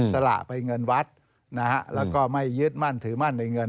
สละไปเงินวัดนะฮะแล้วก็ไม่ยึดมั่นถือมั่นในเงิน